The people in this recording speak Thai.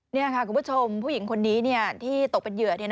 นี่ค่ะคุณผู้ชมผู้หญิงคนนี้ที่ตกเป็นเหยื่อ